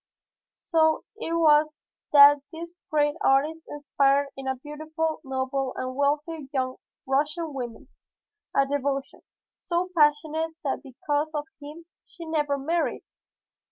"So it was that this great artist inspired in a beautiful, noble and wealthy young Russian woman, a devotion so passionate that because of him she never married.